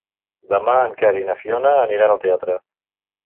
Demà en Quer i na Fiona aniran al teatre.